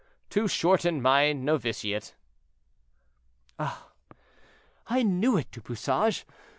"To shorten my noviciate." "Ah! I knew it, Du Bouchage.